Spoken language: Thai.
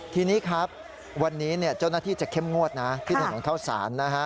ที่นี้ครับวันนี้เจ้านักที่จะเคล็มงวดที่ถนนของข้าวศาล